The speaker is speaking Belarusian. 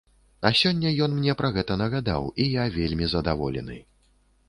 А сёння ён мне пра гэта нагадаў, і я вельмі задаволены.